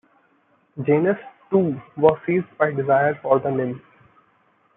Janus too was seized by desire for the nymph.